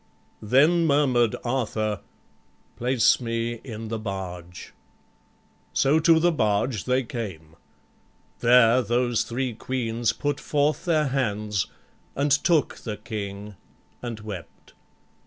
Then murmur'd Arthur, "Place me in the barge." So to the barge they came. There those three Queens Put forth their hands, and took the King, and wept.